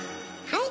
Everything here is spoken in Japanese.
はい。